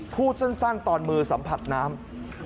พูดสั้นตอนมือสัมผัสน้ำ